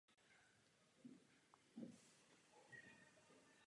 Uvnitř nárožní věže se dochovalo třetí.